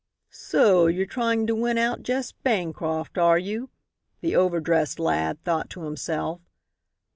"So you're trying to win out Jess Bancroft, are you?" the over dressed lad thought to himself.